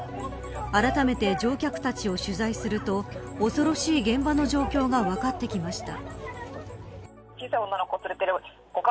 あらためて乗客たちを取材すると恐ろしい現場の状況が分かってきました。